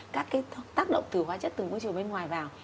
các cái tác động từ hóa chất từ môi trường bên ngoài vào